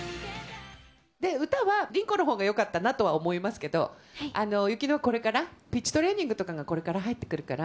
で、歌はリンコのほうがよかったなとは思いますけど、ユキノ、これからピッチトレーニングとかがこれから入ってくるから。